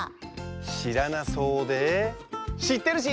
しらなそうでしってるし！